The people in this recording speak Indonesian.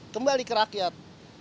kembali ke rakyat